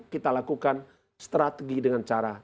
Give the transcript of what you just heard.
kita lakukan strategi dengan cara